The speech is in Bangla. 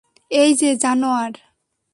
এইযে, জানোয়ার।